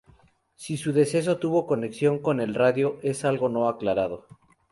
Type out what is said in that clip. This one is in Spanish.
Si su deceso tuvo conexión con el radio es algo no aclarado.